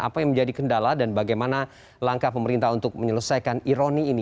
apa yang menjadi kendala dan bagaimana langkah pemerintah untuk menyelesaikan ironi ini